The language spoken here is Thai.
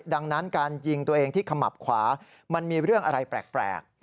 ดังนั้นการยิงตัวเองที่ขมับขวามันมีเรื่องอะไรแปลก